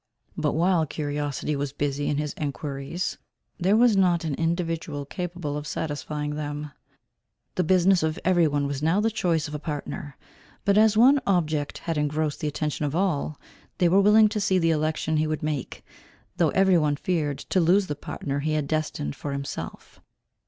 But while curiosity was busy in his enquiries, there was not an individual capable of satisfying them. The business of every one was now the choice of a partner. But as one object had engrossed the attention of all, they were willing to see the election he would make, though every one feared to lose the partner he had destined for himself.